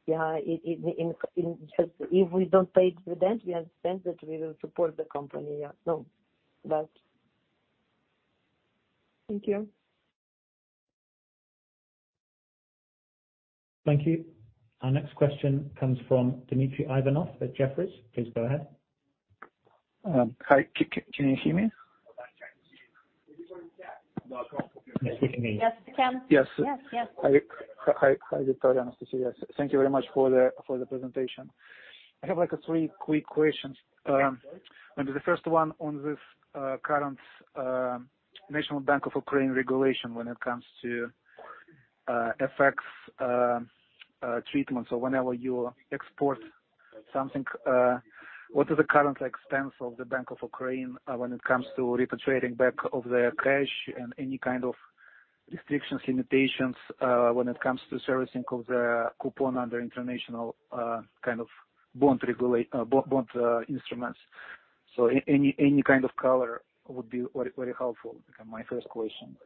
Yeah, in just if we don't pay dividend, we understand that we will support the company. Yeah. No. Thank you. Thank you. Our next question comes from Dmitry Ivanov at Jefferies. Please go ahead. Hi. Can you hear me? Yes, we can hear you. Yes, we can. Yes, yes. Hi. [AUDIO DISTORTION] Hi, Viktoria. Nice to see you. Thank you very much for the presentation. I have, like, three quick questions. Maybe the first one on this current National Bank of Ukraine regulation when it comes to FX treatment. Whenever you export something, what is the current, like, stance of the Bank of Ukraine, when it comes to repatriating back of their cash and any kind of restrictions, limitations, when it comes to servicing of the coupon under international kind of bond instruments. Any kind of color would be very helpful, my first question.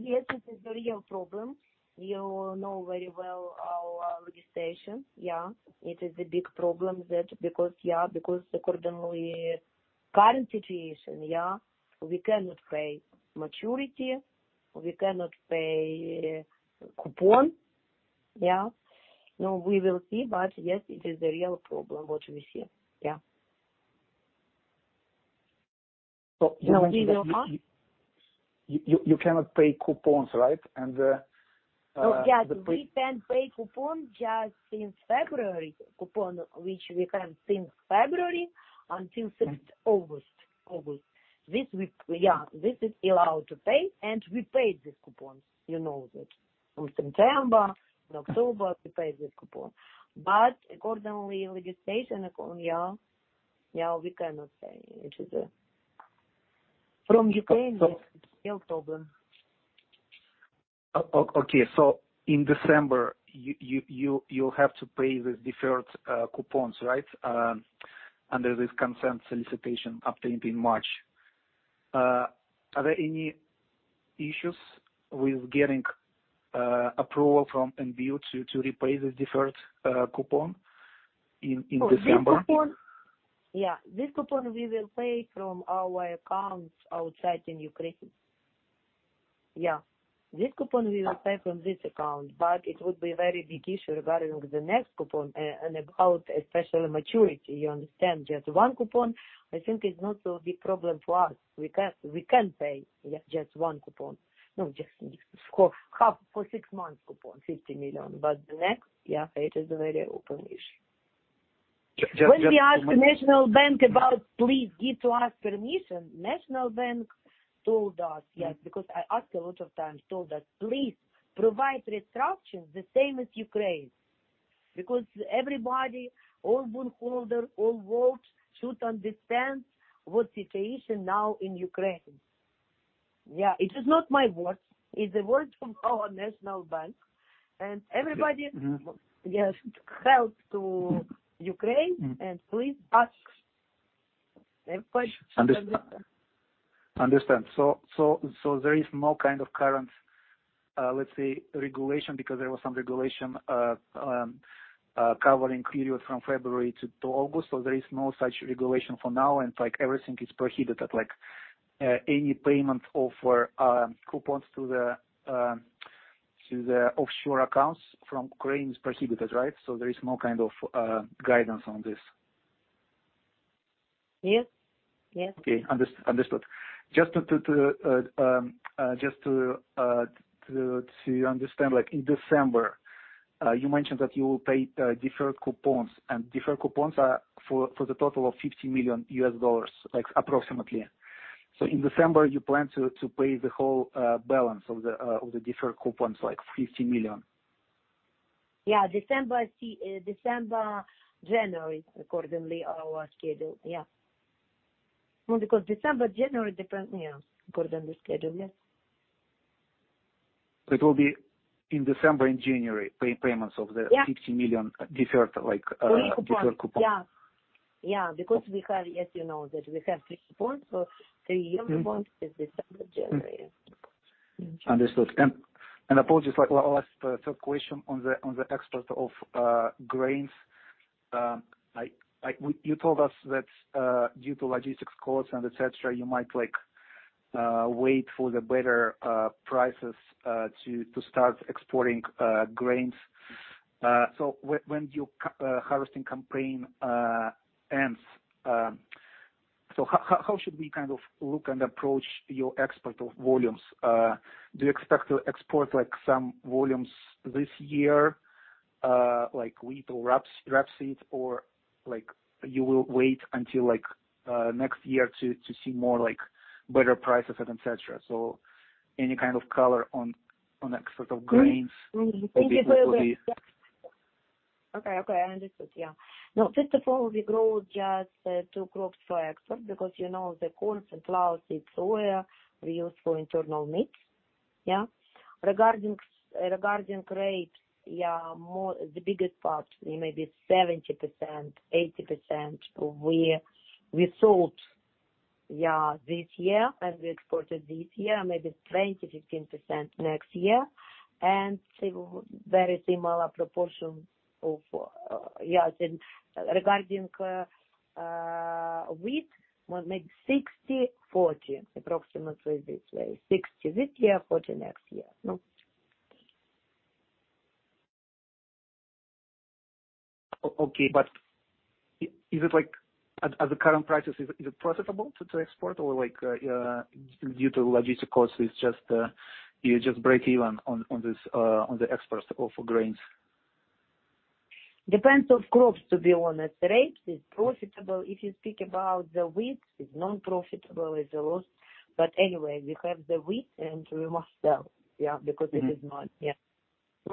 Yes, it is a real problem. You know very well our legislation, yeah. It is a big problem because, yeah, because according to current situation, yeah, we cannot pay maturity, we cannot pay coupon, yeah. Now, we will see. Yes, it is a real problem what we see. Yeah. [AUDIO DISTORTION] You cannot pay coupons, right? Oh, yes. We can't pay coupon just since February. Coupon which we can't since February until sixth August. This week, yeah, this is allowed to pay, and we paid these coupons. You know that. From September, from October, we paid this coupon. According to legislation, yeah, we cannot pay. It is from Ukraine, yes, it's real problem. Okay. In December, you have to pay the deferred coupons, right, under this consent solicitation obtained in March. Are there any issues with getting approval from NBU to repay the deferred coupon in December? Oh, this coupon. Yeah. This coupon we will pay from our accounts outside Ukraine. Yeah. This coupon we will pay from this account, but it would be very big issue regarding the next coupon and about especially maturity. You understand? Just one coupon I think is not so big problem for us. We can pay, yeah, just one coupon. No, just of course half for six months coupon, $50 million. The next, yeah, it is a very open issue. Just one When we ask the National Bank about please give to us permission, National Bank told us, yes, because I ask a lot of times, told us, "Please provide restructuring the same as in Ukraine because everybody, all bondholder, all world should understand what situation now in Ukraine." Yeah. It is not my words, it's the words from our National Bank. Yes. Help to Ukraine. Please ask them questions, understand? Understand. There is no kind of current, let's say regulation because there was some regulation covering period from February to August. There is no such regulation for now, and like everything is prohibited at, like, any payment of coupons to the offshore accounts from Ukraine is prohibited, right? There is no kind of guidance on this. Yes. Yes. Okay. Understood. Just to understand, like, in December, you mentioned that you will pay deferred coupons, and deferred coupons are for the total of $50 million, like approximately. In December you plan to pay the whole balance of the deferred coupons, like $50 million? Yeah. December, January according to our schedule, yeah. Well, because December, January different, you know, according to the schedule, yes. It will be in December and January payments of the. Yeah. $50 million deferred, like deferred coupon. Yeah. Yeah. We have, as you know that we have three coupons. Three yearly coupons is December, January. Understood. Apologies, like one last third question on the export of grains. Like you told us that due to logistics costs and et cetera, you might like wait for the better prices to start exporting grains. When your harvesting campaign ends, how should we kind of look and approach your export of volumes? Do you expect to export like some volumes this year, like wheat or rapeseed or like you will wait until like next year to see more like better prices and et cetera? Any kind of color on export of grains. How big it will be? Okay. I understood. Yeah. No, first of all we grow just two crops for export because you know the corn and rapeseed oil we use for internal needs. Yeah. Regarding grain, the biggest part, maybe 70%-80% we sold this year, and we exported this year, maybe 20%-15% next year. Very similar proportion of wheat, well, maybe 60/40 approximately this way. 60 this year, 40 next year. No. Okay, is it like at the current prices, is it profitable to export or like due to logistics costs, it's just you just break even on this on the exports of grains? Depends on crops, to be honest. [AUDIO DISTORTION] is profitable. If you speak about the wheat, it's non-profitable, it's a loss. Anyway, we have the wheat and we must sell, yeah, because it is not. Yeah.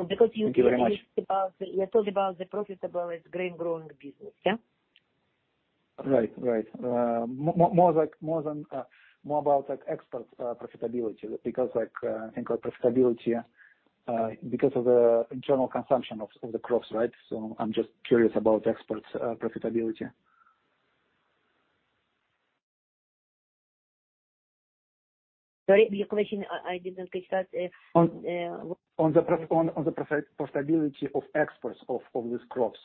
Because you speak about- Thank you very much. You are talking about the profitability of grain growing business, yeah? Right. More about like export profitability because like, I think our profitability because of the internal consumption of the crops, right? I'm just curious about exports profitability. Sorry, your question I didn't catch that. On the profitability of exports of these crops.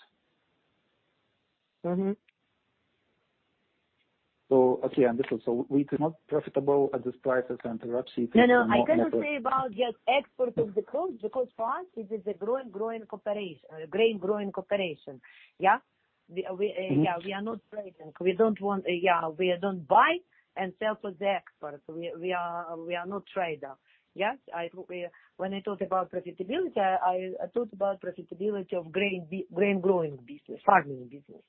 Mm-hmm. Okay, understood. Wheat is not profitable at these prices and rapeseed is more profitable. No, no, I cannot say about just export of the crops because for us it is a growing cooperation, grain growing cooperation. Yeah, we are not trading. Yeah, we don't buy and sell for the export. We are not trader. Yes. When I talk about profitability, I talk about profitability of grain growing business, farming business.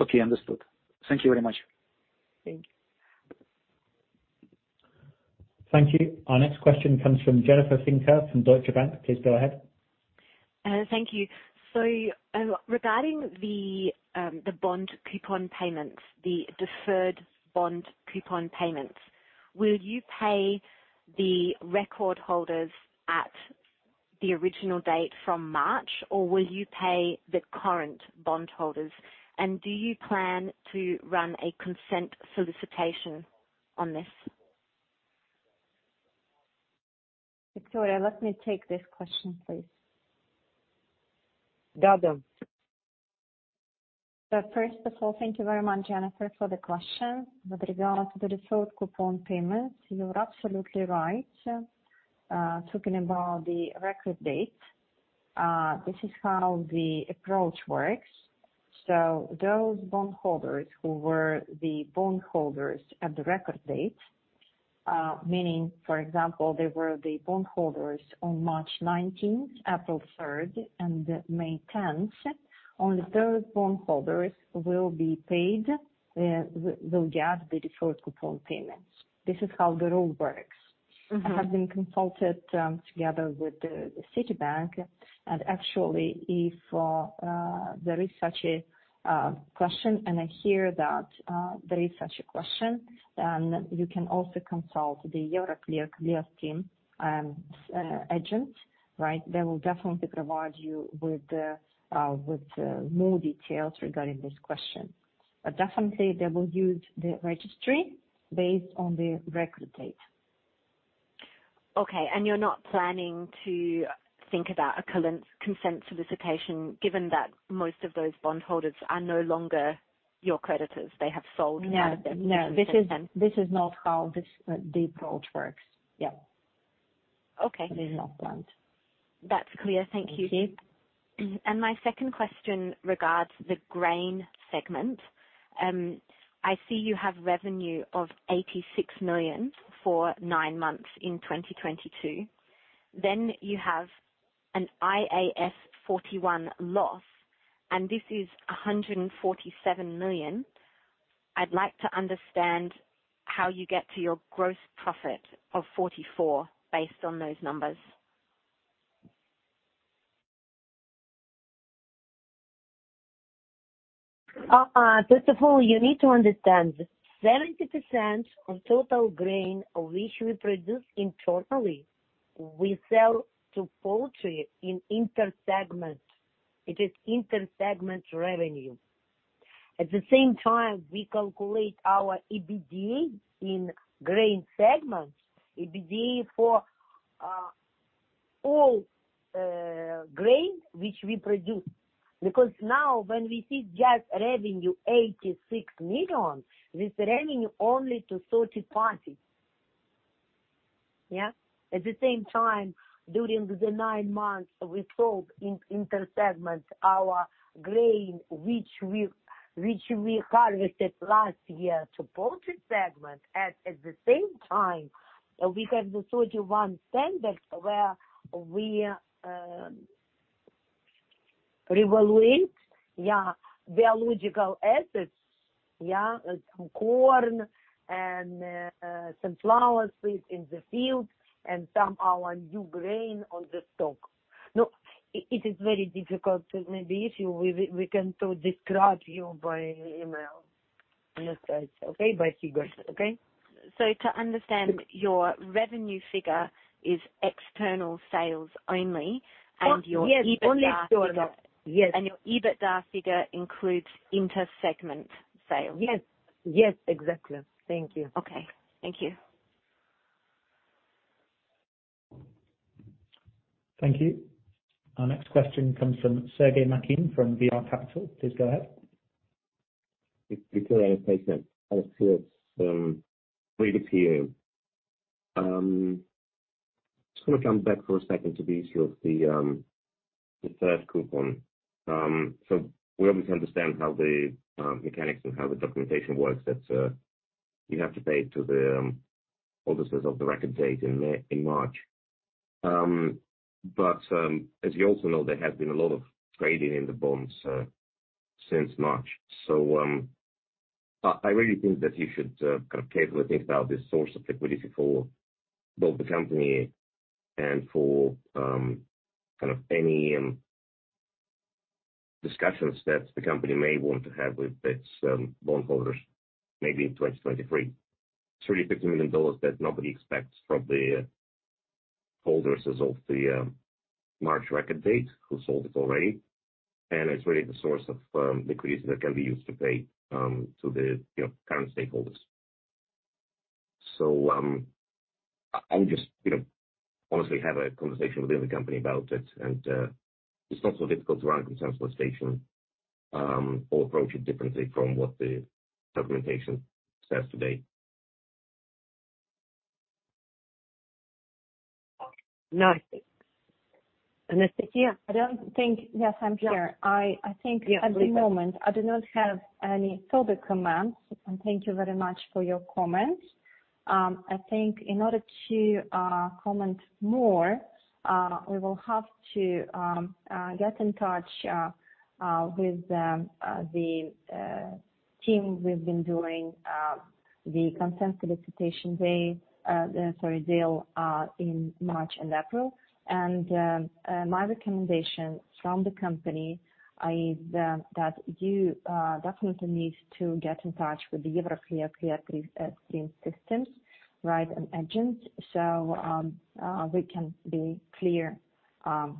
Okay, understood. Thank you very much. Thank you. Thank you. Our next question comes from [Jennifer Finker] from Deutsche Bank. Please go ahead. Thank you. Regarding the bond coupon payments, the deferred bond coupon payments, will you pay the record holders at the original date from March, or will you pay the current bond holders? Do you plan to run a consent solicitation on this? Viktoria, let me take this question, please. Go ahead. First of all, thank you very much, Jennifer, for the question. With regards to the deferred coupon payment, you're absolutely right. Talking about the record date, this is how the approach works. Those bondholders who were the bondholders at the record date, meaning, for example, they were the bondholders on March 19th, April 3rd and May 10th, only those bondholders will be paid, will get the deferred coupon payments. This is how the rule works. I have been consulted together with the Citibank and actually if there is such a question and I hear that there is such a question, then you can also consult the Euroclear, Clearstream agent, right? They will definitely provide you with more details regarding this question. They will definitely use the registry based on the record date. Okay. You're not planning to think about a consent solicitation given that most of those bondholders are no longer your creditors, they have sold out of their positions then? No. This is not how the approach works. Yeah. Okay. This is not planned. That's clear. Thank you. Thank you. My second question regards the grain segment. I see you have revenue of $86 million for nine months in 2022. You have an IAS 41 loss, and this is $147 million. I'd like to understand how you get to your gross profit of $44 million based on those numbers. First of all, you need to understand 70% of total grain which we produce internally, we sell to poultry in inter-segment. It is inter-segment revenue. At the same time, we calculate our EBITDA in grain segment, EBITDA for all grain which we produce. Because now when we see just revenue $86 million, this revenue only to third parties. Yeah? At the same time, during the nine months we sold in inter-segment our grain which we harvested last year to poultry segment. At the same time, we have the IAS 41 where we revalue biological assets, some corn and some sunflowers in the field and some of our new grain in stock. No, it is very difficult. We can describe it to you by email, illustrate, okay, by figures, okay? To understand, your revenue figure is external sales only and your EBITDA figure. Oh, yes, only to another. Yes. Your EBITDA figure includes inter-segment sales? Yes. Yes. Exactly. Thank you. Okay. Thank you. Thank you. Our next question comes from Sergey Makhin from VR Capital. Please go ahead. If Viktoria is patient, I see it's 3:00 P.M. Just wanna come back for a second to the issue of the third coupon. We obviously understand how the mechanics and how the documentation works that you have to pay to the holders of the record date in March. As you also know, there has been a lot of trading in the bonds since March. I really think that you should kind of carefully think about this source of liquidity for both the company and for kind of any discussions that the company may want to have with its bondholders, maybe in 2023. It's really $50 million that nobody expects from the holders as of the March record date who sold it already, and it's really the source of liquidity that can be used to pay to the, you know, current stakeholders. I'll just, you know, honestly have a conversation within the company about it and it's not so difficult to run a consent solicitation or approach it differently from what the documentation says today. Anastasiya. Yes, I'm here. I think. Yeah. At the moment, I do not have any further comments. Thank you very much for your comments. I think in order to comment more, we will have to get in touch with the team we've been doing the consent solicitation deal in March and April. My recommendation from the company is that you definitely need to get in touch with the Euroclear, Clearstream teams, systems, right, and agents. We can be clear on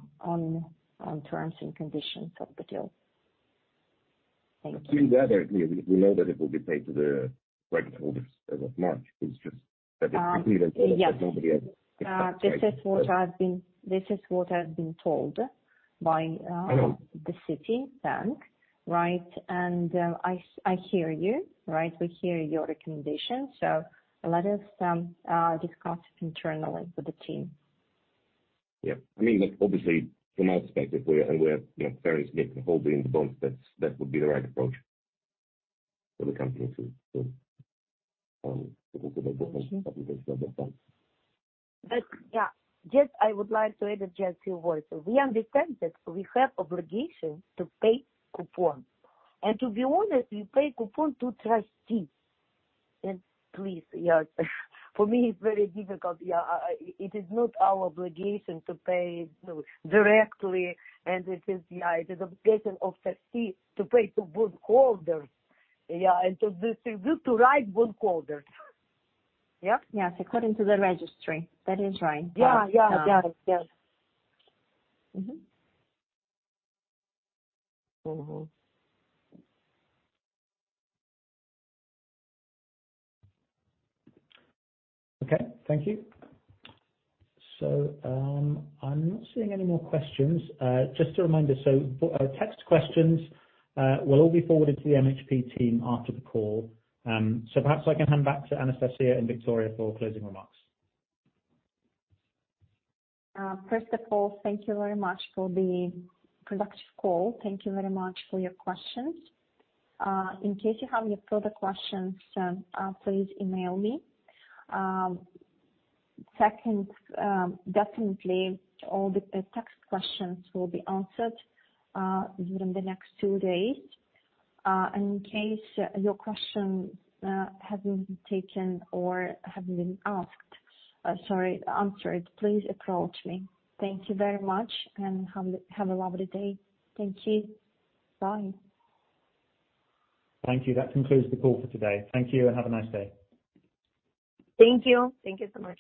terms and conditions of the deal. Thank you. In the other, you know, we know that it will be paid to the record holders as of March. It's just that it's completely. Yes. Nobody expects it. This is what I've been told by Citibank, right? I hear you, right? We hear your recommendation, so let us discuss it internally with the team. I mean, like, obviously from our perspective, we're, you know, fairly significant holder in the bonds, that would be the right approach for the company to look at their coupons, but we can still get back. Yeah. Just I would like to add just a few words. We understand that we have obligation to pay coupon. To be honest, we pay coupon to trustees. Please, yeah, for me, it's very difficult, yeah. It is not our obligation to pay, you know, directly and it is obligation of trustee to pay to bondholders, yeah. To distribute to right bondholders. Yeah? Yes. According to the registry. That is right. Yeah. Yeah. Got it. Yes. Mm-hmm. Okay. Thank you. I'm not seeing any more questions. Just a reminder, text questions will all be forwarded to the MHP team after the call. Perhaps I can hand back to Anastasiya and Viktoria for closing remarks. First of all, thank you very much for the productive call. Thank you very much for your questions. In case you have any further questions, please email me. Second, definitely all the text questions will be answered within the next two days. In case your question hasn't been answered, please approach me. Thank you very much, and have a lovely day. Thank you. Bye. Thank you. That concludes the call for today. Thank you, and have a nice day. Thank you. Thank you so much.